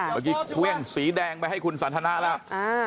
เมื่อกี้เครื่องสีแดงไปให้คุณสันทนาแล้ว